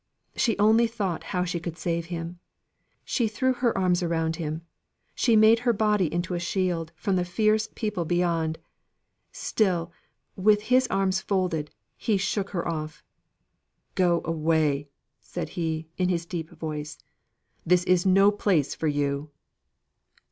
She only thought how she could save him. She threw her arms around him; she made her body into a shield from the fierce people beyond. Still, with his arms folded, he shook her off. "Go away," said he, in his deep voice. "This is no place for you."